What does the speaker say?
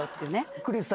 クリスさん